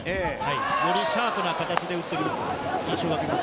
よりシャープな形で打ってくるという印象があります。